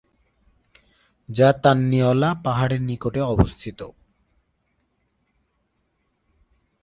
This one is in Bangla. যা তান্নি-অলা পাহাড়ের নিকটে অবস্থিত।